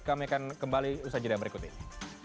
kami akan kembali usaha jeda berikut ini